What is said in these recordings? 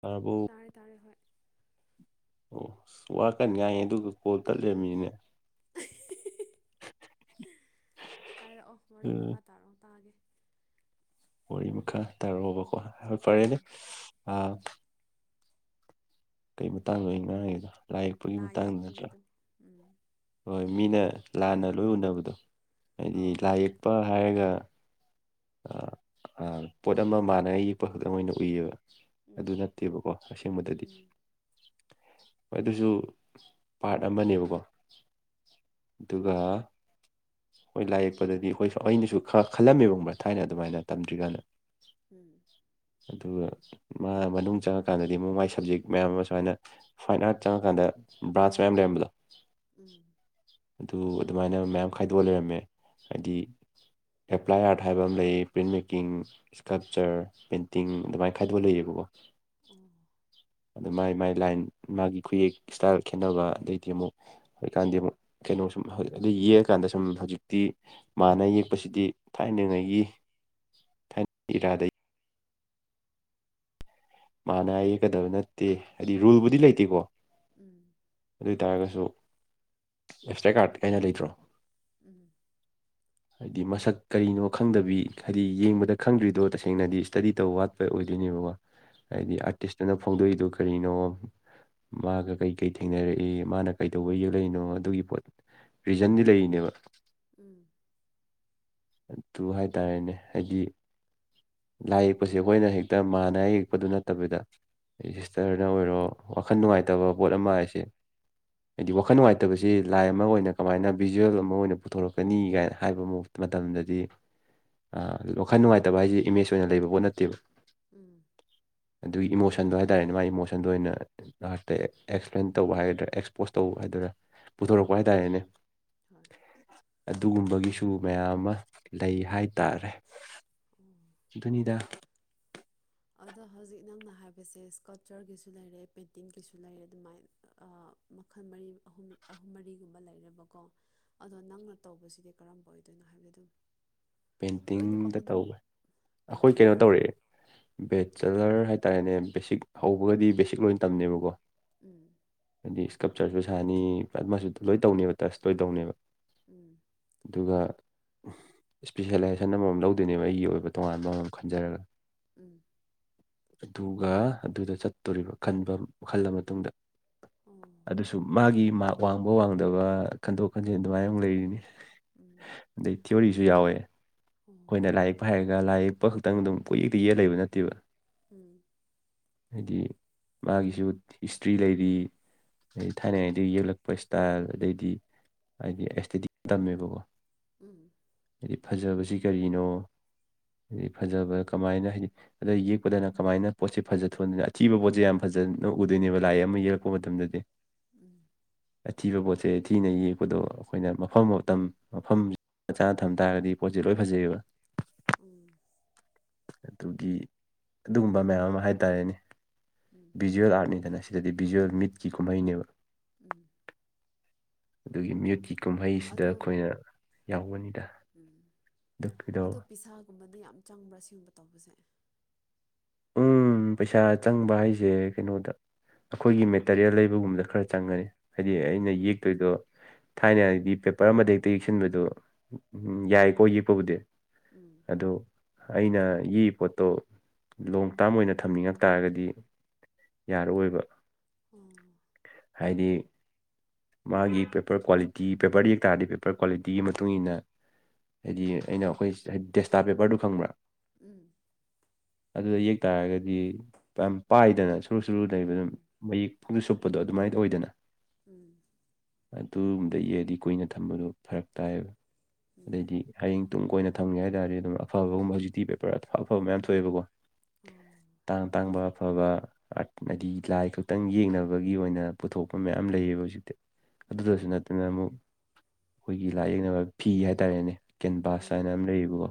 ꯇꯥꯔꯥꯕꯨ ꯇꯥꯔꯦ ꯇꯥꯔꯦ ꯍꯣꯏ ꯑꯣ ꯋꯥꯀꯟꯅ ꯉꯥꯏ ꯑꯗꯨꯒ ꯀꯣꯜ ꯇꯠꯂꯃꯤꯅꯦ ꯍꯥꯏꯔꯛꯑꯣ ꯋꯥꯔꯤ ꯃꯈꯥ ꯇꯥꯔꯛꯑꯣ ꯇꯥꯒꯦ꯫ ꯋꯥꯔꯤ ꯃꯈꯥ ꯇꯥꯔꯛꯑꯣꯕꯀꯣ ꯎꯝ ꯐꯔꯦꯅꯦ ꯑꯥ꯫ ꯀꯩ ꯃꯇꯥꯡꯅꯣ ꯑꯩ ꯉꯥꯡꯉꯤꯗꯣ ꯂꯥꯏ ꯌꯦꯛꯄꯒꯤ ꯃꯇꯥꯡ ꯅꯠꯇ꯭ꯔꯥ꯫ ꯎꯝ꯫ ꯍꯣꯏ ꯃꯤꯅ ꯂꯥꯟꯅ ꯂꯣꯏ ꯎꯅꯕꯗꯣ ꯍꯥꯏꯗꯤ ꯑꯥꯎ ꯂꯥꯏ ꯌꯦꯛꯄ ꯍꯥꯏꯔꯒ꯫ ꯑ ꯄꯣꯠ ꯑꯃ ꯃꯥꯟꯅ ꯌꯦꯛꯄ ꯈꯛꯇꯪ ꯑꯣꯏꯅ ꯎꯏꯌꯦꯕ꯫ ꯑꯗꯨ ꯎꯝ ꯅꯠꯇꯦꯕꯀꯣ ꯑꯁꯦꯡꯕꯗꯗꯤ꯫ ꯎꯝ ꯑꯗꯨꯁꯨ ꯄꯥꯔꯠ ꯑꯃꯅꯦꯕꯀꯣ꯫ ꯑꯗꯨꯒ꯫ ꯍꯣꯏ ꯂꯥꯏ ꯌꯦꯛꯄꯗꯗꯤ ꯑꯩꯈꯣꯏꯁꯨ ꯑꯩꯅꯁꯨ ꯈ ꯈꯜꯂꯝꯃꯦꯕ ꯈꯪꯕ꯭ꯔ ꯊꯥꯏꯅ ꯑꯗꯨꯃꯥꯏꯅ ꯇꯝꯗ꯭ꯔꯤꯀꯥꯟꯗ꯫ ꯎꯝ꯫ ꯑꯗꯨꯒ ꯃꯥ ꯃꯅꯨꯡ ꯆꯪꯉꯀꯥꯟꯗꯗꯤ ꯑꯃꯨꯛ ꯃꯥꯏ ꯁꯕꯖꯦꯛ ꯃꯌꯥꯝ ꯑꯃ ꯁꯨꯃꯥꯏꯅ꯫ ꯐꯥꯏꯟ ꯑꯥꯔꯠ ꯆꯪꯉꯀꯥꯟꯗ ꯕ꯭ꯔꯥꯟꯁ ꯃꯌꯥꯝ ꯂꯩꯔꯝꯕꯗꯣ ꯎꯝ ꯑꯗꯨ ꯑꯗꯨꯃꯥꯏꯅ ꯃꯌꯥꯝ ꯈꯥꯏꯗꯣꯛꯑ ꯂꯩꯔꯝꯃꯦ ꯍꯥꯏꯗꯤ꯫ ꯑꯦꯄ꯭ꯂꯥꯏ ꯑꯥꯔꯠ ꯍꯥꯏꯕ ꯑꯃ ꯂꯩꯌꯦ ꯄ꯭ꯔꯤꯟ ꯃꯦꯀꯤꯡ꯫ ꯏꯁꯀꯜꯞꯆꯔ ꯄꯦꯟꯇꯤꯡ ꯑꯗꯨꯃꯥꯏꯅ ꯈꯥꯏꯗꯣꯛꯑ ꯂꯩꯌꯦꯕꯀꯣ꯫ ꯑꯣ꯫ ꯑꯗ ꯃꯥꯏ ꯃꯥꯏ ꯂꯥꯏꯟ ꯃꯥꯒꯤ ꯈꯨꯌꯦꯛ ꯏꯁꯇꯥꯏꯜ ꯈꯦꯠꯅꯕ ꯑꯗꯩꯗꯤ ꯑꯃꯨꯛ꯫ ꯍꯧꯖꯤꯛꯀꯥꯟꯗꯤ ꯑꯃꯨꯛ ꯀꯩꯅꯣ ꯁꯨꯝ ꯑꯗꯨꯗ ꯌꯦꯛꯑꯀꯥꯟꯗ ꯁꯨꯝ ꯍꯧꯖꯤꯛꯇꯤ ꯃꯥꯅ ꯌꯦꯛꯄꯁꯤꯗꯤ ꯊꯥꯏꯅꯉꯩꯒꯤꯥ ꯊꯥꯏꯅ ꯏꯔꯥꯗꯩ꯫ ꯃꯥꯅ ꯌꯦꯛꯀꯗꯕ ꯅꯠꯇꯦ ꯍꯥꯏꯗꯤ ꯔꯨꯜꯕꯨꯗꯤ ꯂꯩꯇꯦꯀꯣ꯫ ꯎꯝ꯫ ꯑꯗꯨ ꯑꯣꯏꯇꯥꯔꯒꯁꯨ ꯑꯦꯁꯇ꯭ꯔꯦꯛ ꯀꯥꯔꯠ ꯍꯥꯏꯅ ꯂꯩꯇ꯭ꯔꯣ꯫ ꯎꯝ ꯍꯥꯏꯗꯤ ꯃꯁꯛ ꯀꯔꯤꯅꯣ ꯈꯪꯗꯕꯤ ꯍꯥꯏꯗꯤ ꯌꯦꯡꯕꯗ ꯈꯪꯗ꯭ꯔꯤꯗꯣ ꯇꯁꯦꯡꯅꯗꯤ ꯁ꯭ꯇꯗꯤ ꯇꯧ ꯋꯥꯠꯄ ꯑꯣꯏꯗꯣꯏꯅꯦꯕꯀꯣ꯫ ꯍꯥꯏꯗꯤ ꯎꯝ ꯑꯥꯔꯇꯤꯁꯇꯨꯅ ꯐꯣꯡꯗꯣꯛꯏꯗꯣ ꯀꯔꯤꯅꯣ꯫ ꯃꯥꯒ ꯀꯩꯀꯩ ꯊꯦꯡꯅꯔꯛꯏ ꯃꯥꯅ ꯀꯩꯗꯧꯕ ꯌꯦꯛꯂꯛꯏꯅꯣ ꯑꯗꯨꯒꯤ ꯄꯣꯠ꯫ ꯔꯤꯖꯟꯗꯤ ꯂꯩꯔꯤꯅꯦꯕ꯫ ꯎꯝ꯫ ꯑꯗꯨ ꯍꯥꯏꯇꯥꯔꯦꯅꯦ ꯍꯥꯏꯗꯤ꯫ ꯂꯥꯏ ꯌꯦꯛꯄꯁꯦ ꯑꯩꯈꯣꯏꯅ ꯍꯦꯛꯇ ꯃꯥꯟꯅ ꯌꯦꯛꯄꯗꯨ ꯅꯠꯇꯕꯤꯗ꯫ ꯁꯤꯁꯇꯔꯅ ꯑꯣꯏꯔꯣ ꯋꯥꯈꯜ ꯅꯨꯡꯉꯥꯏꯇꯕ ꯄꯣꯠ ꯑꯃ ꯍꯥꯏꯁꯦ꯫ ꯍꯥꯏꯗꯤ ꯋꯥꯈꯜ ꯅꯨꯡꯉꯥꯏꯇꯕꯁꯤ ꯂꯥꯏ ꯑꯃ ꯑꯣꯏꯅ ꯀꯃꯥꯏꯅ ꯕꯤꯖꯨꯋꯦꯜ ꯑꯃ ꯑꯣꯏꯅ ꯄꯨꯊꯣꯔꯛꯀꯅꯤ ꯀꯥꯏꯅ ꯍꯥꯏꯕ ꯃꯑꯣꯡꯗ꯫ ꯃꯇꯝꯗꯗꯤ ꯋꯥꯈꯥꯏ ꯅꯨꯡꯉꯥꯏꯇꯕ ꯍꯥꯏꯁꯦ ꯏꯃꯦꯖ ꯑꯣꯏꯅ ꯂꯩꯕ ꯄꯣꯠ ꯅꯠꯇꯦꯕ ꯎꯝ꯫ ꯑꯗꯨꯒꯤ ꯏꯃꯣꯁꯟꯗꯣ ꯍꯥꯏꯇꯥꯔꯦꯅꯦ ꯃꯥꯒꯤ ꯏꯃꯣꯁꯟꯗꯣ ꯑꯣꯏꯅ꯫ ꯂꯥꯛꯇꯦ ꯑꯦꯛꯁꯄ꯭ꯂꯦꯟ ꯇꯧꯕ ꯍꯥꯏꯒꯗ꯭ꯔꯥ ꯑꯦꯛꯁꯄꯣꯁ ꯇꯧꯕ ꯍꯥꯏꯗꯣꯏꯔꯥ꯫ ꯄꯨꯊꯣꯔꯛꯄ ꯎꯝ ꯍꯥꯏꯇꯥꯔꯦꯅꯦ ꯍꯣꯏ ꯑꯗꯨꯒꯨꯝꯕꯒꯤꯁꯨ꯫ ꯃꯌꯥꯝ ꯑꯃ ꯂꯩ ꯍꯥꯏꯇꯥꯔꯦ꯫ ꯑꯣ꯫ ꯑꯗꯨꯅꯤꯗ꯫ ꯑꯗꯣ ꯍꯧꯖꯤꯛ ꯅꯪꯅ ꯍꯥꯏꯕꯁꯦ ꯏꯁꯀꯜꯆꯔꯒꯤꯁꯨ ꯂꯩꯔꯦ ꯄꯦꯟꯇꯤꯡꯒꯤꯁꯨ ꯂꯩꯔꯦ ꯑꯗꯨꯃꯥꯏꯅ ꯑ꯫ ꯃꯈꯜ ꯃꯔꯤ ꯑꯍꯨꯝ ꯑꯍꯨꯝ ꯃꯔꯤꯒꯨꯝꯕ ꯂꯩꯔꯦꯕꯀꯣ꯫ ꯑꯗꯣ ꯅꯪꯅ ꯇꯧꯕꯁꯤꯗꯤ ꯀꯔꯝꯕ ꯑꯣꯏꯗꯣꯏꯅꯣ ꯍꯥꯏꯕꯗꯤ ꯑꯗꯨꯝ ꯂꯣꯏꯅꯃꯛ ꯄꯦꯟꯇꯤꯡꯗ ꯑꯗꯨꯝ ꯇꯧꯋꯦ ꯑꯩꯈꯣꯏ ꯀꯩꯅꯣ ꯄꯦꯟꯇꯤꯡꯗ ꯇꯧꯔꯑꯦ ꯕꯦꯠꯆꯂꯔ ꯍꯥꯏꯇꯥꯔꯦꯅꯦ ꯕꯦꯁꯤꯛ ꯍꯧꯕꯒꯗꯤ ꯕꯦꯁꯤꯛ ꯂꯣꯏ ꯇꯝꯅꯦꯕꯀꯣ ꯎꯝ ꯍꯥꯏꯗꯤ ꯏꯁꯀꯞꯆꯔꯁꯨ ꯁꯥꯅꯤ ꯑꯗꯨꯃꯁꯨ ꯂꯣꯏ ꯇꯧꯅꯦꯕ ꯇꯁ ꯂꯣꯏ ꯇꯧꯅꯦꯕ ꯎꯝ ꯑꯗꯨꯒ ꯏꯁꯄꯤꯁꯦꯂꯥꯏꯖꯦꯁꯟ ꯑꯃꯃꯝ ꯂꯧꯗꯣꯏꯅꯦꯕ ꯑꯩꯒꯤ ꯑꯣꯏꯕ ꯇꯣꯉꯥꯟꯕ ꯑꯃꯃꯝ ꯈꯟꯖꯔꯒ ꯎꯝ ꯑꯗꯨꯒ ꯑꯗꯨꯗ ꯆꯠꯇꯣꯔꯤꯕ ꯈꯟꯕ ꯈꯜꯂ ꯃꯇꯨꯡꯗ ꯑꯣ ꯑꯗꯨꯁꯨ ꯃꯥꯒꯤ ꯃꯥ ꯋꯥꯡꯕ ꯋꯥꯡꯗꯕ ꯈꯟꯗꯣꯛ ꯈꯟꯖꯤꯟ ꯑꯗꯨꯃꯥꯏꯅ ꯂꯩꯔꯤꯅꯤ ꯎꯝ ꯑꯗꯩ ꯊꯤꯌꯔꯤꯁꯨ ꯌꯥꯎꯋꯦ ꯎꯝ ꯑꯩꯈꯣꯏꯅ ꯂꯥꯏ ꯌꯦꯛꯄ ꯍꯥꯏꯔꯒ ꯂꯥꯏ ꯌꯦꯛꯄ ꯈꯛꯇꯪ ꯑꯗꯨꯝ ꯀꯣꯌꯦꯛꯇ ꯌꯦꯛꯑ ꯂꯩꯕ ꯅꯠꯇꯦꯕ ꯎꯝ ꯍꯥꯏꯗꯤ ꯃꯥꯒꯤꯁꯨ ꯍꯤꯁꯇ꯭ꯔꯤ ꯂꯩꯔꯤ ꯊꯥꯏꯅꯉꯩꯗꯒꯤ ꯌꯦꯛꯂꯛꯄ ꯏꯁꯇꯥꯏꯜ ꯑꯗꯩꯗꯤ ꯍꯥꯏꯗꯤ ꯑꯦꯁꯇꯦꯇꯤꯛ ꯇꯝꯃꯦꯕꯀꯣ ꯎꯝ ꯍꯥꯏꯗꯤ ꯐꯖꯕꯁꯤ ꯀꯔꯤꯅꯣ ꯍꯥꯏꯗꯤ ꯐꯖꯕ ꯀꯃꯥꯏꯅ ꯍꯥꯏꯗꯤ ꯑꯗ ꯌꯦꯛꯄꯗꯅ ꯀꯃꯥꯏꯅ ꯄꯣꯠꯁꯦ ꯐꯖ ꯊꯣꯛꯍꯟꯗꯣꯏꯅ ꯑꯊꯤꯕ ꯄꯣꯠꯁꯦ ꯌꯥꯝ ꯐꯖꯅ ꯎꯗꯣꯏꯅꯦꯕ ꯂꯥꯏ ꯑꯃ ꯌꯦꯛꯂꯛ ꯄ ꯃꯇꯝꯗꯗꯤ ꯎꯝ ꯑꯊꯤꯕ ꯄꯣꯠꯁꯦ ꯊꯤꯅ ꯌꯦꯛꯄꯗꯣ ꯑꯩꯈꯣꯏꯅ ꯃꯐꯝ ꯃꯇꯝ ꯃꯐꯝ ꯆꯥꯅ ꯊꯝ ꯇꯥꯔꯒꯗꯤ ꯄꯣꯠꯁꯦ ꯂꯣꯏ ꯐꯖꯩꯌꯦꯕ ꯎꯝ ꯑꯗꯨꯒꯤ ꯑꯗꯨꯒꯨꯝꯕ ꯃꯌꯥꯝ ꯑꯃ ꯍꯥꯏꯇꯥꯔꯦꯅꯦ ꯎꯝ ꯕꯤꯖꯨꯋꯦꯜ ꯑꯥꯔꯠꯅꯤꯗꯅ ꯁꯤꯗꯗꯤ ꯕꯤꯖꯨꯋꯦꯜ ꯃꯤꯠꯀꯤ ꯀꯨꯝꯍꯩꯅꯦꯕ ꯎꯝ ꯑꯗꯨꯒꯤ ꯃꯤꯨꯠꯀꯤ ꯀꯨꯝꯍꯩꯁꯤꯗ ꯑꯗꯣ ꯑꯩꯈꯣꯏꯅ ꯌꯥꯎꯕꯅꯤꯗ ꯎꯝ ꯑꯗꯨ ꯑꯗꯣ ꯀꯩꯗꯧꯕ ꯄꯤꯁꯥꯒꯨꯝꯕꯗꯤ ꯌꯥꯝ ꯆꯪꯕ꯭ꯔꯥ ꯁꯤꯒꯨꯝꯕ ꯇꯧꯕꯁꯦ ꯎꯝ ꯄꯩꯁꯥ ꯆꯪꯕ ꯍꯥꯏꯁꯦ ꯀꯩꯅꯣꯗ ꯑꯩꯈꯣꯏꯒꯤ ꯃꯦꯇꯔꯤꯌꯦꯜ ꯂꯩꯕꯒꯨꯝꯕꯗ ꯈꯔ ꯆꯪꯒꯔꯅꯤ ꯍꯥꯏꯗꯤ ꯑꯩꯅ ꯑꯣ ꯌꯦꯛꯇꯣꯏꯗꯣ ꯊꯥꯏꯅ ꯍꯥꯏꯗꯤ ꯄꯦꯄꯔ ꯑꯃꯗ ꯍꯦꯛꯇ ꯌꯦꯛꯁꯤꯟꯕꯗꯨ ꯎꯝ ꯌꯥꯏ ꯍꯣꯏ ꯌꯦꯛꯄꯕꯨꯗꯤ ꯎꯝ ꯑꯗꯨ ꯑꯩꯅ ꯌꯦꯛꯏ ꯄꯣꯠꯇꯣ ꯂꯣꯡ ꯇꯥꯔꯝ ꯑꯣꯏꯅ ꯊꯝꯅꯤꯡꯉꯛ ꯇꯥꯔꯒꯗꯤ ꯌꯥꯔꯛꯑꯣꯏꯕ ꯎꯝ ꯍꯥꯏꯗꯤ ꯃꯥꯒꯤ ꯄꯦꯄꯔ ꯀ꯭ꯋꯥꯂꯤꯇꯤ ꯄꯦꯄꯔꯗ ꯌꯦꯛ ꯇꯥꯔꯗꯤ ꯄꯦꯄꯔ ꯀ꯭ꯋꯥꯂꯤꯇꯤꯒꯤ ꯃ ꯇꯨꯡꯨ ꯏꯟꯅ ꯍꯥꯏꯗꯤ ꯑꯩꯅ ꯑꯩꯈꯣꯏꯁꯤꯗ ꯗꯦꯁꯇꯥ ꯄꯦꯄꯔꯗꯨ ꯈꯪꯕ꯭ꯔꯥ ꯎꯝ ꯑꯗꯨꯗ ꯌꯦꯛ ꯇꯥꯔꯒꯗꯤ ꯌꯥꯝ ꯄꯥꯏꯗꯅ ꯁꯨꯔꯨ ꯁꯨꯔꯨ ꯂꯩꯕꯗ ꯎꯝ ꯑꯗꯨꯝ ꯃꯌꯦꯛ ꯐꯣꯡꯁꯨ ꯁꯨꯞꯄꯗꯣ ꯑꯗꯨꯃꯥꯏ ꯇꯧꯏꯗꯅ ꯎꯝ ꯑꯗꯨꯒꯨꯝꯕꯗ ꯌꯦꯛꯑꯗꯤ ꯀꯨꯏꯅ ꯊꯝꯕꯗꯣ ꯐꯔꯛ ꯇꯥꯏꯌꯦꯕ ꯎꯝ ꯑꯗꯩꯗꯤ ꯍꯌꯦꯡ ꯇꯨꯡ ꯀꯣꯏꯅ ꯊꯝꯒꯦ ꯍꯥꯏꯇꯔꯗꯤ ꯑꯗꯨꯝ ꯑꯐꯕꯒꯨꯝꯕ ꯍꯧꯖꯤꯛꯇꯤ ꯄꯦꯄꯔ ꯑꯐ ꯑꯐꯕ ꯃꯌꯥꯝ ꯊꯣꯛꯑꯦꯕꯀꯣ ꯑꯣ ꯇꯥꯡ ꯇꯥꯡꯕ ꯑꯐꯕ ꯑꯥꯔꯠ ꯍꯥꯏꯗꯤ ꯂꯥꯏ ꯈꯛꯇꯪ ꯌꯦꯡꯅꯕꯒꯤ ꯑꯣꯏꯅ ꯄꯨꯊꯣꯛꯄ ꯃꯌꯥꯝ ꯂꯩꯌꯦꯕ ꯍꯧꯖꯤꯛ ꯑꯗꯨꯗꯁꯨ ꯎꯝ ꯅꯠꯇꯅ ꯑꯃꯨꯛ ꯑꯩꯈꯣꯏꯒꯤ ꯂꯥꯏꯌꯦꯛꯅꯕ ꯐꯤ ꯍꯥꯏꯇꯥꯔꯦꯅꯦ ꯀꯦꯟꯚꯥꯁ ꯍꯥꯏꯅ ꯎꯝ ꯑꯃ ꯂꯩꯕꯀꯣ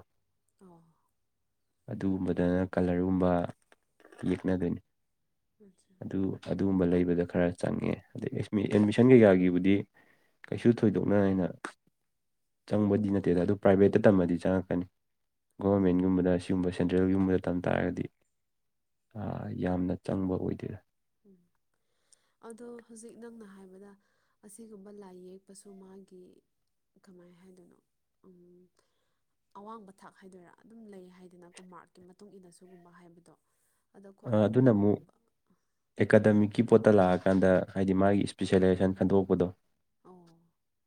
ꯑꯣ ꯑꯗꯨꯒꯨꯝꯕꯗꯅ ꯀꯂꯔꯒꯨꯝꯕ ꯌꯦꯛꯅꯗꯣꯏꯅꯤ ꯑꯥꯠꯁꯥ ꯑꯗꯨ ꯑꯗꯨꯒꯨꯝꯕ ꯂꯩꯕꯗ ꯈꯔ ꯆꯪꯉꯦ ꯑꯗꯩ ꯑꯦꯠꯃꯤꯁꯟ ꯀꯩꯀꯥꯒꯤꯕꯨꯗꯤ ꯀꯩꯁꯨ ꯊꯣꯏꯗꯣꯛꯅ ꯍꯦꯟꯅ ꯆꯪꯕꯗꯤ ꯅꯠꯇꯦꯗ ꯑꯗꯨ ꯄ꯭ꯔꯥꯏꯚꯦꯠꯇ ꯇꯝꯃꯗꯤ ꯆꯪꯉꯛꯀꯅꯤ ꯑꯣ ꯒꯣꯔꯃꯦꯟꯒꯨꯝꯕꯗ ꯁꯤ ꯒꯨꯝꯕ ꯁꯦꯟꯇ꯭ꯔꯦꯜꯒꯤꯒꯨꯝꯕꯗ ꯇꯝ ꯇꯥꯔꯒꯗꯤ ꯌꯥꯝꯅ ꯆꯪꯕ ꯑꯣꯏꯗꯦꯗ ꯎꯝ ꯑꯗꯣ ꯍꯧꯖꯤꯛ ꯅꯪꯅ ꯍꯥꯏꯕꯗ ꯑꯁꯤꯒꯨꯝꯕ ꯂꯥꯏ ꯌꯦꯛꯄꯁꯨ ꯃꯥꯒꯤ ꯀꯃꯥꯏ ꯍꯥꯏꯗꯣꯏꯅꯣ ꯎꯝ ꯑꯋꯥꯡꯕ ꯊꯥꯛ ꯍꯥꯏꯗꯣꯏꯔꯥ ꯑꯗꯨꯝ ꯂꯩ ꯍꯥꯏꯗꯅꯀꯣ ꯃꯥꯔꯛꯀꯤ ꯃꯇꯨꯡ ꯏꯟꯅ ꯁꯨꯒꯨꯝꯕ ꯍꯥꯏꯕꯗꯣ ꯑꯗꯣ ꯑ ꯈ꯭ꯋꯥꯏꯗꯒꯤ ꯑꯗꯨꯅ ꯑꯃꯨꯛ ꯋꯥꯡꯕ ꯑꯦꯀꯥꯗꯃꯤꯛꯀꯤ ꯄꯣꯠꯇ ꯂꯥꯛꯑꯀꯥꯟꯗ ꯍꯥꯏꯗꯤ ꯃꯥꯒꯤ ꯏꯁꯄꯤꯁꯦꯂꯥꯏꯖꯦꯁꯟ ꯈꯟꯗꯣꯛꯄꯗꯣ ꯑꯣ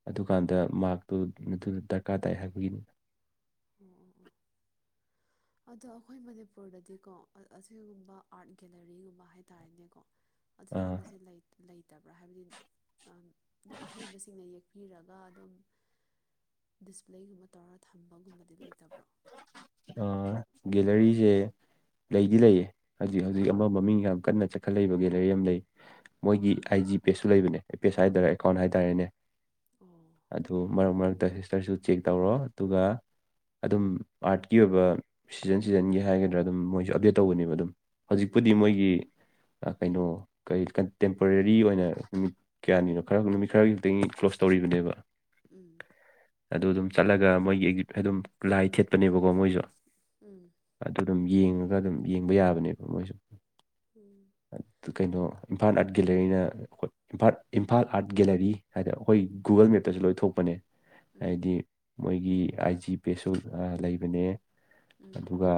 ꯑꯗꯨꯀꯥꯟꯗ ꯃꯥꯛꯇꯨ ꯑꯗꯨꯗ ꯗꯔꯀꯥꯔ ꯇꯥꯏ ꯍꯥꯏꯕꯒꯤꯅꯤ ꯑꯣ ꯑꯣ ꯑꯣ ꯑꯗꯣ ꯑꯩꯈꯣꯏ ꯃꯅꯤꯄꯨꯔꯗꯗꯤꯀꯣ ꯑꯁꯤꯒꯨꯝꯕ ꯑꯥꯔꯠ ꯒꯦꯂꯔꯤꯒꯨꯝꯕ ꯍꯥꯏꯇꯥꯔꯦꯅꯦꯀꯣ ꯑꯗꯨꯒꯒꯨꯝꯕꯁꯦ ꯂꯩꯇꯕ꯭ꯔꯥ ꯍꯥꯏꯕꯗꯤ ꯑꯗꯨꯝ ꯑꯍꯩꯕꯁꯤꯡꯅ ꯌꯦ ꯍꯥꯞꯄꯤꯔꯒ ꯑꯗꯨꯝ ꯗꯤꯁꯄ꯭ꯂꯦꯒꯨꯝꯕ ꯇꯧꯔꯒ ꯊꯝꯕꯒꯨꯝꯕꯗꯤ ꯂꯩꯇꯕ꯭ꯔꯣ ꯑ ꯒꯦꯂꯔꯤꯁꯦ ꯂꯩꯗꯤ ꯂꯩꯌꯦ ꯍꯧꯖꯤꯛ ꯍꯧꯖꯤꯛ ꯑꯃ ꯃꯃꯤꯡ ꯌꯥꯝ ꯀꯟꯅ ꯆꯠꯈꯠ ꯂꯩꯕꯒꯤꯦ ꯂꯩꯥꯏꯔꯤ ꯌꯥꯝ ꯂꯩ ꯃꯣꯏꯒꯤ ꯑꯥꯏ ꯖꯤ ꯄꯦꯁꯨ ꯂꯩꯕꯅꯦ ꯑꯦ ꯄꯦꯁ ꯍꯥꯏꯗꯔꯥ ꯑꯦꯀꯥꯎꯟ ꯍꯥꯏꯇꯥꯔꯦꯅꯦ ꯑꯣ ꯑꯗꯨ ꯃꯔꯛ ꯃꯔꯛꯇ ꯁꯤꯁꯇꯔꯁꯨ ꯆꯦꯛ ꯇꯧꯔꯣ ꯑꯗꯨꯒ ꯑꯗꯨꯝ ꯑꯥꯔꯠꯀꯤ ꯑꯣꯏꯕ ꯁꯤꯖꯟ ꯁꯤꯖꯟꯒꯤ ꯍꯥꯏꯒꯗ꯭ꯔꯥ ꯑꯗꯨꯝ ꯃꯣꯏꯁꯨ ꯑꯞꯗꯦꯠ ꯇꯧꯕꯅꯦꯕ ꯑꯗꯨꯝ ꯎꯝ ꯍꯧꯖꯤꯛꯄꯨꯗꯤ ꯃꯣꯏꯒꯤ ꯀꯩꯅꯣ ꯀꯔꯤ ꯀꯟꯇꯦꯝꯄꯔꯔꯤ ꯑꯣꯏꯅ ꯀꯌꯥꯅꯤꯅꯣ ꯈꯔ ꯅꯨꯃꯤꯠ ꯈꯔꯒꯤ ꯈꯛꯇꯪ ꯀ꯭ꯂꯣꯖ ꯇꯧꯔꯤꯕꯅꯦꯕ ꯎꯝ ꯑꯗꯨ ꯑꯗꯨꯝ ꯆꯠꯂꯒ ꯃꯣꯏꯒꯤ ꯑꯗꯨꯝ ꯂꯥꯏ ꯊꯦꯠꯄꯅꯦꯕꯀꯣ ꯃꯣꯏꯁꯨ ꯎꯝ ꯑꯗꯨ ꯑꯗꯨꯝ ꯌꯦꯡꯉꯒ ꯑꯗꯨꯝ ꯌꯦꯡꯕ ꯌꯥꯕꯅꯦꯕ ꯃꯣꯏꯁꯨ ꯎꯝ ꯀꯩꯅꯣ ꯏꯝꯐꯥꯜ ꯑꯥꯔꯠ ꯒꯦꯂꯔꯤꯅ ꯏꯝꯐꯥꯜ ꯑꯥꯔꯠ ꯒꯦꯂꯔꯤ ꯍꯥꯏꯗꯅ ꯑꯩꯈꯣꯏ ꯒꯨꯒꯜ ꯃꯦꯞꯇꯁꯨ ꯂꯣꯏ ꯊꯣꯛꯄꯅꯦ ꯎꯝ ꯍꯥꯏꯗꯤ ꯃꯣꯏꯒꯤ ꯑꯥꯏ ꯖꯤ ꯄꯦꯁꯨ ꯂꯩꯕꯅꯦ ꯎꯝ ꯑꯗꯨꯒ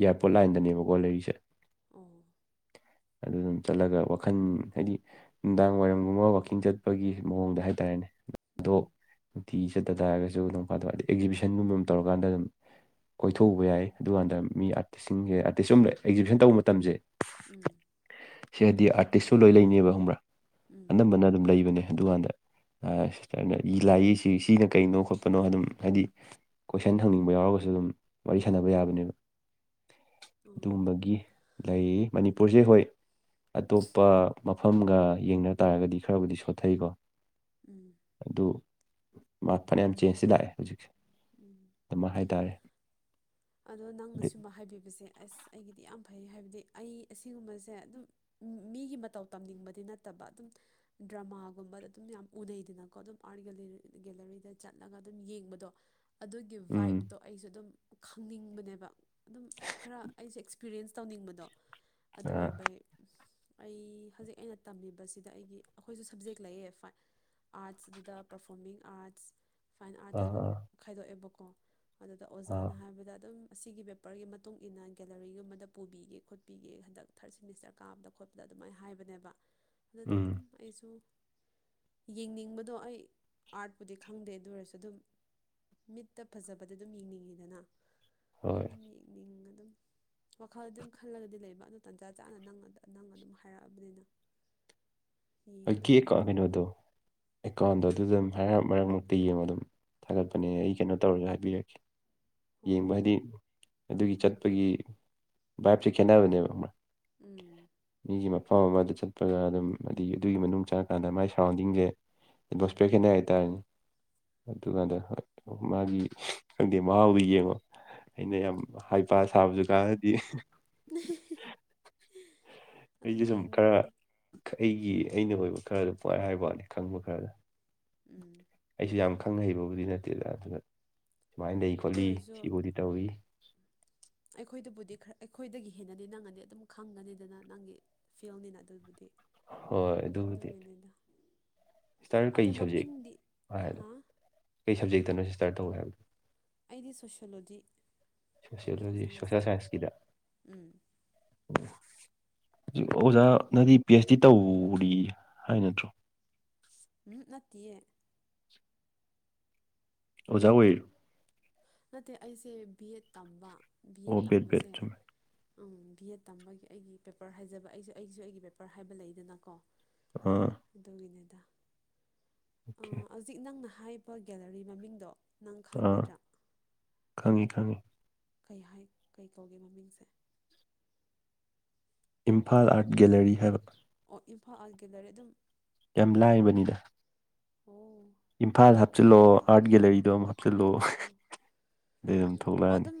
ꯏꯌꯥꯔꯄꯣꯔꯠ ꯂꯥꯏꯟꯗꯅꯦꯕꯀꯣ ꯂꯩꯔꯤꯁꯦ ꯑꯣ ꯑꯗꯨ ꯑꯗꯨꯝ ꯆꯠꯂꯒ ꯋꯥꯈꯜ ꯍꯥꯏꯗꯤ ꯅꯨꯡꯗꯥꯡ ꯋꯥꯏꯔꯝꯒꯨꯝꯕ ꯋꯥꯛꯀꯤꯡ ꯆꯠꯄꯒꯤ ꯃꯑꯣꯡꯗ ꯍꯥꯏꯇꯥꯔꯦꯅꯦ ꯑꯗꯣ ꯎꯝ ꯅꯨꯡꯇꯤꯒꯤ ꯆꯠꯇ ꯇꯥꯔꯒꯁꯨ ꯅꯣꯡꯐꯥꯗꯣ ꯑꯦꯛꯖꯤꯕꯤꯁꯟꯒꯨꯝꯕ ꯑꯃ ꯇꯧꯔꯀꯥꯟꯗ ꯑꯗꯨꯝ ꯀ‌‌ꯣꯏꯊꯣꯛꯎꯕ ꯌꯥꯏ ꯑꯗꯨꯀꯥꯟꯗ ꯃꯤ ꯑꯥꯔꯇꯤꯁꯁꯤꯡꯁꯦ ꯑꯥꯔꯇꯤꯁ ꯑꯨꯝ ꯑꯦꯛꯖꯤꯕꯤꯁꯟ ꯇꯧꯕ ꯃꯇꯝꯁꯦ ꯎꯝ ꯁꯤ ꯗꯗꯤ ꯑꯥꯔꯇꯤꯁꯁꯨ ꯂꯣꯏ ꯂꯩꯅꯦꯕ ꯍꯪꯕ꯭ꯔꯥ ꯎꯝ ꯑꯅꯝꯕꯅ ꯑꯗꯨꯝ ꯂꯩꯕꯅꯦ ꯑꯗꯨꯀꯥꯟꯗ ꯑ ꯁꯤꯁꯇꯔꯅ ꯏ ꯂꯥꯏ ꯌꯦꯛꯏꯁꯤ ꯁꯤꯅ ꯀꯩꯅꯣ ꯈꯣꯠꯄꯅꯣ ꯑꯗꯨꯝ ꯍꯥꯏꯗꯤ ꯀꯣꯏꯁꯟ ꯍꯪꯅꯤꯡꯕ ꯌꯥꯎꯔꯒꯁꯨ ꯑꯗꯨꯝ ꯋꯥꯔꯤ ꯁꯥꯟꯅꯕ ꯎꯝ ꯌꯥꯕꯅꯦꯕ ꯑꯣ ꯎꯝ ꯑꯗꯨꯒꯨꯝꯕꯒꯤ ꯂꯩ ꯃꯅꯤꯄꯨꯔꯁꯦ ꯍꯣꯏ ꯑꯇꯣꯞꯄ ꯃꯐꯝꯒ ꯌꯦꯡꯅ ꯇꯥꯔꯒꯗꯤ ꯈꯔꯕꯨꯗꯤ ꯁꯣꯊꯩꯀꯣ ꯎꯝ ꯑꯗꯨ ꯃ ꯐꯅꯌꯥꯝ ꯆꯦꯟꯖꯇ ꯂꯥꯛꯑꯦ ꯍꯧꯖꯤꯛꯁꯦ ꯎꯝ ꯑꯃ ꯍꯥꯏꯇꯥꯔꯦ ꯑꯗꯣ ꯅꯪꯅ ꯑꯗꯩ ꯁꯒꯨꯝꯕ ꯍꯥꯏꯕꯤꯕꯁꯦ ꯑꯁ ꯑꯩꯒꯤꯗꯤ ꯌꯥꯝ ꯐꯩ ꯍꯥꯏꯕꯗꯤ ꯑꯩ ꯑꯁꯤꯒꯨꯝꯕꯁꯦ ꯑꯗꯨꯝ ꯃꯤꯒꯤ ꯃꯇꯧ ꯇꯝꯅꯤꯡꯕꯗꯤ ꯅꯠꯇꯕ ꯑꯗꯨꯝ ꯗ꯭ꯔꯃꯥꯒꯨꯝꯕꯗ ꯑꯗꯨꯝ ꯌꯥꯝ ꯎꯅꯩꯗꯅꯀꯣ ꯑꯗꯨꯝ ꯑꯥꯔꯠ ꯒꯦꯂꯔꯤꯗ ꯆꯠꯂꯒ ꯑꯗꯨꯝ ꯌꯦꯡꯕꯗꯣ ꯑꯗꯨꯒꯤ ꯎꯝ ꯚꯥꯏꯞꯇꯣ ꯑꯩꯁꯨ ꯑꯗꯨꯝ ꯈꯪꯅꯤꯡꯕꯅꯦꯕ ꯑꯗꯨꯝ ꯈꯔ ꯑꯩꯁꯦ ꯑꯦꯛꯁꯄꯤꯔꯤꯌꯦꯟꯁ ꯇꯧꯅꯤꯡꯕꯗꯣ ꯑꯗꯨ ꯑꯥ ꯑꯣꯏꯕꯩ ꯑꯁ ꯑꯩ ꯍꯧꯖꯤꯛ ꯑꯩꯅ ꯇꯝꯃꯤꯕꯁꯤꯗ ꯑꯩꯒꯤ ꯑꯩꯈꯣꯏꯁꯨ ꯁꯕꯖꯦꯛ ꯂꯩꯌꯦ ꯐꯥꯏ ꯑꯥꯔꯠꯁ ꯑꯗꯨꯗ ꯄꯔꯐꯣꯔꯃꯤꯡ ꯑꯥꯔꯠꯁ ꯐꯥꯏꯟ ꯑꯥꯔꯠꯇ ꯑꯗꯨꯝ ꯑꯥ ꯈꯥꯏꯗꯣꯛꯑꯦꯕꯀꯣ ꯑꯗꯨꯗ ꯑꯥ ꯑꯣꯖꯥꯅ ꯍꯥꯏꯕ꯫ ꯍꯥꯏꯕꯗ ꯑꯗꯨꯝ ꯑꯁꯤꯒꯤ ꯄꯦꯄꯔꯒꯤ ꯃꯇꯨꯡ ꯏꯟꯅ ꯒꯦꯂꯔꯤꯒꯨꯝꯕꯗ ꯄꯨꯕꯤꯒꯦ ꯈꯣꯠꯄꯤꯒꯦ ꯍꯟꯗꯛ ꯊꯥꯔꯠ ꯁꯦꯃꯤꯁꯇꯔ ꯀꯥꯕꯗ ꯈꯣꯠꯄꯗ ꯑꯗꯨꯃꯥꯏꯅ ꯍꯥꯏꯕꯅꯦꯕ ꯑꯗꯨꯗ ꯎꯝ ꯑꯗꯨꯝ ꯑꯩꯁꯨ ꯌꯦꯡꯅꯤꯡꯕꯗꯣ ꯑꯩ ꯑꯥꯔꯠꯄꯨꯗꯤ ꯈꯪꯗꯦ ꯑꯗꯨ ꯑꯣꯏꯔꯁꯨ ꯑꯗꯨꯝ ꯃꯤꯠꯇ ꯐꯖꯕꯗ ꯑꯗꯨꯝ ꯌꯦꯡꯅꯤꯡꯉꯤꯗꯅ ꯍꯣꯏ ꯑꯗꯨꯝ ꯌꯦꯛꯅꯤꯡ ꯑꯗꯨꯝ꯫ ꯋꯥꯈꯜꯗꯤ ꯑꯗꯨꯝ ꯈꯜꯂꯒꯗꯤ ꯂꯩꯕ ꯑꯗꯨ ꯇꯥꯟꯖꯥ ꯆꯥꯅ ꯅ ꯅꯪ ꯑꯗꯨꯝ ꯍꯥꯏꯔꯛꯑꯕꯅꯤꯅ ꯌꯦꯡ ꯑꯩꯒꯤ ꯇꯥꯔꯦ ꯑꯦꯀꯥꯎꯟ ꯅꯣꯉꯃ ꯀꯩꯅꯣꯗꯣ ꯑꯦꯀꯥꯎꯟꯗꯣ ꯑꯗꯨ ꯑꯗꯨꯝ ꯍꯥꯏꯔꯞ ꯃꯔꯛ ꯃꯔꯛꯇ ꯌꯦꯡꯉꯣ ꯑꯗꯨꯝ ꯑꯣ ꯊꯥꯒꯠꯄꯅꯦ ꯑꯩ ꯀꯩꯅꯣ ꯇꯧꯔꯁꯨ ꯍꯥꯏꯕꯤꯔꯛꯀꯦ ꯍꯣꯏ ꯌꯦꯡꯕ ꯍꯣꯏ ꯍꯥꯏꯗꯤ ꯑꯗꯨꯒꯤ ꯆꯠꯄꯒꯤ ꯕꯥꯏꯞꯁꯦ ꯈꯦꯠꯅꯕꯅꯦꯕ ꯈꯪꯕꯔ ꯎꯝ ꯃꯤꯒꯤ ꯃꯐꯝ ꯑꯃ ꯑꯗꯨ ꯆꯠꯄꯗ ꯑꯗꯨꯝ ꯑ ꯑꯗꯨꯒꯤ ꯃꯅꯨꯡ ꯆꯪꯉꯀꯥꯟꯗ ꯃꯥꯏ ꯁꯔꯥꯎꯟꯗꯤꯡꯁꯦ ꯑꯦꯠꯃꯣꯁꯐꯤꯌꯔ ꯈꯦꯠꯅꯩ ꯍꯥꯏꯇꯥꯔꯦꯅꯦ ꯑꯗꯨꯀꯥꯟꯗ ꯍꯣꯏ ꯃꯥꯒꯤ ꯈꯪꯗꯦ ꯃꯥꯥꯎꯗꯣ ꯌꯦꯡꯉꯣ ꯑꯩꯅ ꯌꯥꯝ ꯍꯥꯏꯄꯥ ꯁꯥꯕꯁꯨ ꯎꯝ ꯀꯥꯟꯅꯗꯦ [unintelligible] ꯑꯗꯨꯝ ꯑꯩꯁꯨ ꯁꯨꯝ ꯈꯔ ꯌꯦꯡꯅꯤꯡꯉꯤꯗ ꯑꯩꯒꯤ ꯑꯩꯅ ꯑꯣꯏꯕ ꯈꯔꯗꯣ ꯄꯨꯡꯍꯥꯏ ꯍꯥꯏꯕꯩ ꯋꯥꯅꯤ ꯈꯪꯕ ꯈꯔꯗ ꯎꯝ ꯑꯩꯁꯨ ꯌꯥꯝ ꯈꯪ ꯍꯩꯕꯕꯨꯗꯤ ꯅꯠꯇꯦꯗ ꯑꯗꯨꯅ ꯁꯨꯃꯥꯏꯅ ꯂꯩ ꯑꯗꯨ ꯈꯣꯠꯂꯤ ꯑꯣꯏꯔꯁꯨ ꯁꯤꯕꯨꯗꯤ ꯇꯧꯏ ꯑꯩꯈꯣꯏꯗꯕꯨꯗꯤ ꯈꯔ ꯑꯩꯈꯣꯏꯗꯒꯤ ꯍꯦꯟꯅꯗꯤ ꯅꯪꯅꯗꯤ ꯑꯗꯨꯝ ꯈꯪꯒꯅꯤꯗꯅ ꯅꯪꯒꯤ ꯐꯤꯜꯅꯤꯅ ꯑꯗꯨꯕꯨꯗꯤ ꯍꯣꯏ ꯑꯗꯨꯕꯨꯗꯤ ꯑꯗꯨꯒꯤꯅꯤꯗ ꯁꯤꯁꯇꯔ ꯀꯩ ꯑꯗꯣ ꯁꯕꯖꯦꯛ ꯃꯃꯤꯡꯗꯤ ꯍꯥꯏꯅꯣ ꯍꯥ ꯀꯩ ꯁꯞꯖꯦꯛꯇꯅꯣ ꯁꯤꯁꯇꯥꯔ ꯇꯧꯋꯦ ꯍꯥꯏꯕꯗꯣ ꯑꯩꯗꯤ ꯁꯣꯁꯤꯌꯣꯂꯣꯖꯤ ꯁꯣꯁꯦꯜ ꯁꯣꯁꯤꯌꯣꯂꯣꯖꯤ ꯁꯥꯏꯟꯁꯇ ꯎꯝ ꯍꯧꯖꯤꯛ ꯑꯣꯖꯥꯅꯗꯤ ꯄꯤ ꯑꯩꯆ ꯗꯤ ꯇꯧꯔꯤ ꯍꯥꯏ ꯅꯠꯇ꯭ꯔꯣ ꯍꯨꯝ ꯅꯠꯇꯤꯌꯦ ꯑꯣꯖꯥ ꯑꯣꯏꯔꯤꯔꯣ ꯅꯠꯇꯦ ꯑꯩꯁꯦ ꯕꯤ ꯑꯦꯠ ꯇꯝꯕ ꯕꯤ ꯑꯣ ꯑꯦꯠ ꯕꯦꯠ ꯕꯦꯠ ꯇꯝꯕꯁꯦ ꯆꯨꯝꯃꯦ ꯑꯝ ꯕꯤ ꯑꯦꯗ ꯇꯝꯕꯒꯤ ꯑꯩꯒꯤ ꯄꯦꯄꯔ ꯍꯥꯏꯖꯕ ꯑꯩꯁꯨ ꯑꯩꯁꯨ ꯑꯩꯒꯤ ꯄꯦꯄꯔ ꯍꯥꯏꯕ ꯂꯩꯗꯅꯀꯣ ꯑꯥ ꯑꯗꯨꯒꯤꯅꯤꯗ ꯑꯣꯀꯦ ꯍꯧꯖꯤꯛ ꯅꯪꯅ ꯍꯥꯏꯔꯤꯕ ꯒꯦꯂꯔꯤ ꯃꯃꯤꯡꯗꯣ ꯅꯪ ꯑꯥ ꯈꯪꯒꯗ꯭ꯔꯥ ꯈꯪꯉꯤ ꯈꯪꯉꯤ ꯀꯩ ꯍꯥꯏ ꯀꯩ ꯀꯧꯒꯦ ꯃꯃꯤꯡꯁꯦ ꯏꯝꯐꯥꯜ ꯑꯥꯔꯠ ꯒꯦꯂꯔꯤ ꯍꯥꯏꯕ ꯑꯣ ꯏꯝꯐꯥꯜ ꯑꯥꯔꯠ ꯒꯦꯂꯔꯤ ꯑꯗꯨꯝ ꯌꯥꯝ ꯂꯥꯏꯔꯕꯅꯤꯗ ꯑꯣ ꯏꯝꯐꯥꯜ ꯍꯥꯞꯆꯤꯜꯑꯣ ꯑꯥꯔꯠ ꯒꯂꯔꯤꯗꯣ ꯑꯃ ꯑꯣ ꯍꯥꯞꯆꯤꯜꯂꯣ ꯑꯣ ꯑꯣ ꯑꯗꯩ ꯑꯗꯨꯝ ꯑꯣ ꯊꯣꯛꯂꯛꯑꯅꯤ ꯑꯗꯨꯝ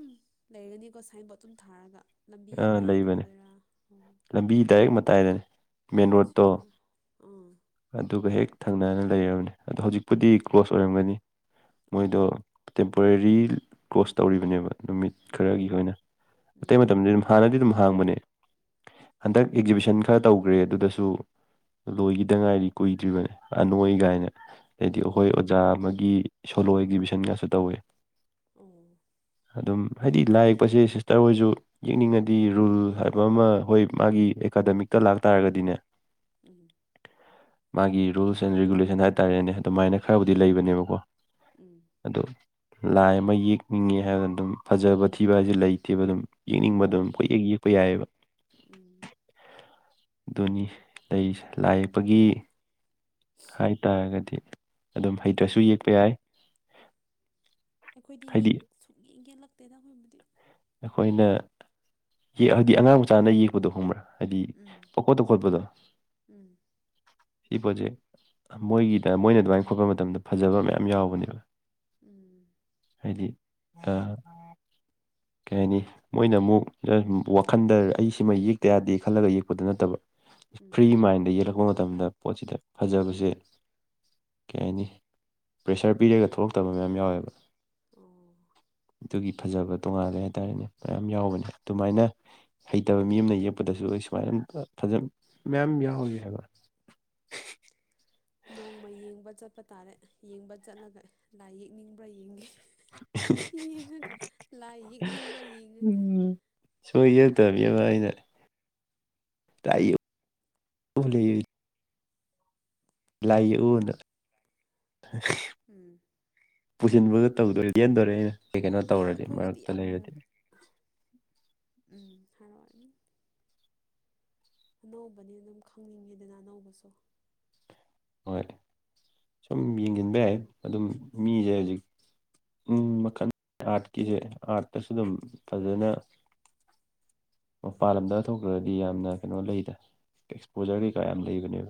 ꯂꯩꯔꯅꯤꯀꯣ ꯁ꯭ꯋꯥꯥꯏꯟ ꯕꯣꯠ ꯑꯗꯨꯝ ꯊꯥꯔꯒ ꯂꯝꯕꯤ ꯑꯥ ꯃꯌꯥꯏꯗ ꯂꯩꯕꯅꯦ ꯑꯣꯏꯗꯣꯏꯔꯥ ꯑꯣ ꯂꯝꯕꯤ ꯗꯥꯏꯔꯦꯛ ꯃꯇꯥꯏꯗꯅꯤ ꯃꯦꯟ ꯔꯣꯠꯇꯣ ꯑꯠꯁꯥ ꯑꯥ ꯎꯝ ꯑꯗꯨꯒ ꯍꯦꯛ ꯊꯪꯅꯅ ꯂꯩꯔꯕꯅꯤ ꯑꯗꯣ ꯍꯧꯖꯤꯛꯄꯨꯗꯤ ꯀ꯭ꯂꯣꯁ ꯑꯣꯏꯔꯝꯒꯅꯤ ꯃꯣꯏꯗꯣ ꯑꯣ ꯇꯦꯝꯄꯔꯦꯔꯤ ꯀ꯭ꯂꯣꯁ ꯇꯧꯔꯤꯕꯅꯦꯕ ꯅꯨꯃꯤꯠ ꯎꯝ ꯈꯔꯒꯤ ꯑꯣꯏꯅ ꯑꯇꯩ ꯎꯝ ꯃꯇꯝꯗꯤ ꯑꯗꯨꯝ ꯍꯥꯟꯅꯗꯤ ꯑꯗꯨꯝ ꯍꯥꯡꯕꯅꯦ ꯍꯟꯗꯛ ꯑꯦꯛꯖꯤꯕꯤꯁꯟ ꯈꯔ ꯇꯧꯈ꯭ꯔꯦ ꯑꯗꯨꯗꯁꯨ ꯂꯣꯏꯈꯤꯗ ꯉꯥꯏꯗꯤ ꯀꯨꯏꯗ꯭ꯔꯤꯕꯅꯦ ꯑꯅꯣꯏ ꯀꯥꯏꯅ ꯍꯥꯏꯗꯤ ꯑꯩꯈꯣꯏ ꯑꯣ ꯑꯣꯖꯥ ꯑꯃꯒꯤ ꯁꯣꯂꯣ ꯑꯦꯛꯖꯤꯕꯤꯁꯟꯒꯁꯨ ꯇꯧꯋꯦ ꯑꯣ ꯑꯗꯨꯝ ꯍꯥꯏꯗꯤ ꯂꯥꯏ ꯌꯦꯛꯄꯁꯦ ꯁꯤꯁꯇꯔ ꯍꯣꯏꯁꯨ ꯌꯦꯡꯅꯤꯡꯉꯗꯤ ꯔꯨꯜ ꯍꯥꯏꯕ ꯑꯃ ꯍꯣꯏ ꯃꯥꯒꯤ ꯑꯦꯀꯥꯗꯃꯤꯛꯇ ꯂꯥꯛꯇꯥꯥꯔꯒꯗꯤꯅꯦ ꯎꯝ ꯃꯥꯒꯤ ꯔꯨꯜꯁ ꯑꯦꯟ ꯔꯤꯒꯨꯂꯦꯁꯟ ꯍꯥꯏꯇꯥꯔꯦꯅꯦ ꯑꯗꯨꯃꯥꯏꯅ ꯈꯔꯕꯨꯗꯤ ꯂꯩꯕꯅꯦꯕꯀꯣ ꯎꯝ ꯑꯗꯣ ꯂꯥꯏ ꯑꯃ ꯌꯦꯛꯅꯤꯡꯉꯦ ꯍꯥꯏꯗꯅ ꯑꯗꯨꯝ ꯐꯖꯕ ꯊꯤꯕ ꯍꯥꯏꯁꯦ ꯂꯩꯇꯦꯕ ꯑꯗꯨꯝ ꯌꯦꯛꯅꯤꯡꯕ ꯑꯗꯨꯝ ꯎꯝ ꯀꯣꯏ ꯌꯦꯛ ꯌꯦꯛꯄ ꯌꯥꯏꯑꯦꯕ ꯎꯝ ꯑꯗꯨꯅꯤ ꯂꯩꯔꯤꯁꯦ ꯂꯥꯏ ꯌꯦꯛꯄꯒꯤ ꯍꯥꯏꯇꯥꯔꯒꯗꯤ ꯑꯗꯨꯝ ꯍꯩꯇ꯭ꯔꯁꯨ ꯑꯩꯈꯣꯏꯕꯨ ꯌꯦꯛꯄ ꯌꯥꯏ ꯑꯩꯈꯣꯏꯗꯤ ꯍꯥꯏꯗꯤ ꯌꯦꯛ ꯁꯨꯡ ꯌꯦꯛ ꯌꯦꯛꯂꯛꯇꯦꯗ ꯑꯩꯈꯣꯏꯕꯨꯗꯤ ꯑꯩꯈꯣꯏꯅ ꯌꯦꯛꯑꯗꯤ ꯑꯉꯥꯡ ꯃꯆꯥꯅ ꯌꯦꯛꯄꯗꯣ ꯈꯪꯕ꯭ꯔꯥ ꯍꯥꯏꯗꯤ ꯎꯝ ꯄꯪꯈꯣꯠꯇ ꯈꯣꯠꯄꯗꯣ ꯎꯝ ꯁꯤ ꯄꯣꯠꯁꯦ ꯃꯣꯏꯒꯤꯗ ꯃꯣꯏꯅ ꯑꯗꯨꯃꯥꯏꯅ ꯈꯣꯠꯄ ꯃꯇꯝꯗ ꯐꯖꯕ ꯃꯌꯥꯝ ꯌꯥꯎꯕꯅꯦꯕ ꯎꯝ ꯍꯥꯏꯗꯤ ꯑꯥ ꯀꯩ ꯍꯥꯏꯅꯤ ꯃꯣꯏꯅ ꯑꯃꯨꯛ ꯋꯥꯈꯟꯗ ꯑꯩ ꯁꯤꯃ ꯌꯦꯛꯇ ꯌꯥꯗꯦ ꯈꯜꯂꯒ ꯌꯦꯛꯄꯗꫭ ꯅꯠꯇꯕ ꯎꯝ ꯐ꯭ꯔꯤ ꯃꯥꯏꯟꯗ ꯌꯦꯛꯂꯛꯄ ꯃꯇꯝꯗ ꯄꯣꯠꯁꯤꯗ ꯐꯖꯕꯁꯦ ꯀꯩ ꯍꯥꯏꯅꯤ ꯄ꯭ꯔꯦꯁꯔ ꯄꯤꯔꯒ ꯊꯣꯛꯂꯛꯇꯕ ꯃꯌꯥꯝ ꯌꯥꯎꯋꯦꯕ ꯑꯣ ꯑꯗꯨꯒꯤ ꯐꯖꯕ ꯇꯣꯉꯥꯟ ꯀꯩ ꯍꯥꯏꯇꯥꯔꯦꯅꯦ ꯃꯌꯥꯝ ꯌꯥꯎꯕꯅꯦ ꯑꯗꯨꯃꯥꯏꯅ ꯍꯩꯇꯕ ꯃꯤ ꯑꯃꯅ ꯌꯦꯛꯄꯗꯁꯨ ꯑꯩ ꯁꯨꯃꯥꯏꯅ ꯐꯖꯕ ꯃꯌꯥꯝ ꯌꯥꯎꯋꯦ ꯍꯥꯏꯕ ꯅꯣꯡꯃ ꯌꯦꯡꯕ ꯆꯠꯄ ꯇꯥꯔꯦ ꯌꯦꯡꯕ ꯆꯠꯂꯒ ꯂꯥꯏ ꯌꯦꯛꯅꯤꯡꯕ꯭ꯔꯥ ꯌꯦꯡꯒꯦ ꯌꯦꯡꯉꯒ ꯂꯥꯏ ꯌꯦꯛꯅꯤꯡꯕ꯭ꯔꯥ ꯌꯦꯡꯉ ꯁꯣꯏ ꯌꯦꯛꯇꯕꯃꯤꯃ ꯑꯩꯅ ꯇꯥꯏ [unintelligible] ꯂꯥꯏ ꯌ‌ꯦꯛꯎꯅ ꯎꯝ ꯄꯨꯁꯤꯟꯕꯒ ꯇꯧꯗꯣꯏ ꯌ‌ꯦꯍꯟꯗꯣꯔꯦ ꯑꯩꯅ ꯀꯩ ꯀꯩꯅꯣ ꯑꯩꯈꯣꯏ ꯇꯧꯔꯗꯤ ꯑꯩꯈꯣꯏꯒꯤꯗꯤ ꯃꯔꯛꯇ ꯌꯥꯝ ꯂꯩꯔꯗꯤ ꯎꯝ [unintelligible] ꯑꯅꯧꯕꯅꯤ ꯑꯗꯨꯝ ꯈꯪꯅꯤꯡꯉꯦꯗꯅ ꯑꯅꯧꯕꯁꯨ ꯍꯣꯏ ꯁꯨꯝ ꯌꯦꯡꯁꯤꯟꯕ ꯌꯥꯏ ꯑꯗꯨꯝ ꯃꯤꯁꯦ ꯍꯧꯖꯤꯛ ꯎ ꯃꯈꯜ ꯑꯥꯔꯠꯀꯤꯁꯦ ꯑꯥꯔꯠꯇꯁꯨ ꯑꯗꯨꯝ ꯐꯖꯅ ꯃꯄꯥꯟ ꯂꯝꯗ ꯊꯣꯛꯇ꯭ꯔꯗꯤ ꯌꯥꯝꯅ ꯀꯩꯅꯣ ꯂꯩꯗ ꯎꯝ ꯑꯦꯛꯁꯄꯣꯖꯔ ꯀꯩꯀꯥ ꯌꯥꯝ ꯂꯩꯕꯅꯦꯕ